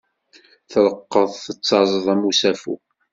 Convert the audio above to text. Treqqeḍ tettaẓeḍ am usafu.